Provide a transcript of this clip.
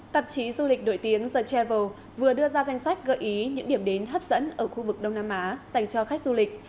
tạp chí du lịch nổi tiếng the travel vừa đưa ra danh sách gợi ý những điểm đến hấp dẫn ở khu vực đông nam á dành cho khách du lịch